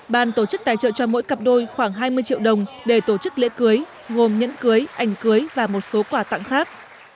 ban tổ chức tài trợ cho mỗi cặp đôi khoảng hai mươi triệu đồng để tổ chức lễ cưới gồm nhẫn cưới ảnh cưới và một số quà tặng khác